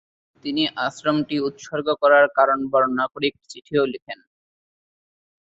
তিনি আশ্রমটি উৎসর্গ করার কারণ বর্ণনা করে একটি চিঠিও লিখেন।